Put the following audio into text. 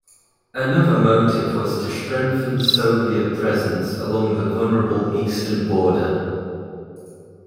Another motive was to strengthen Soviet presence along the vulnerable eastern border.